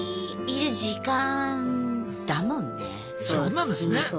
そうなんですね